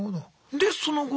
でその後は？